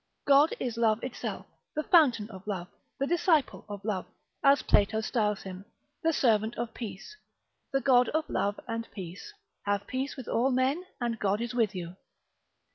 God is love itself, the fountain of love, the disciple of love, as Plato styles him; the servant of peace, the God of love and peace; have peace with all men and God is with you.